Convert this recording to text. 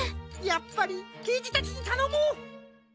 やっぱりけいじたちにたのもう！